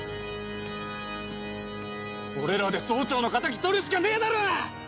俺らで総長の敵取るしかねえだろ！